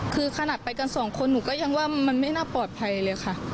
คือขนาดไปกันสองคนหนูก็ยังว่ามันไม่น่าปลอดภัยเลยค่ะ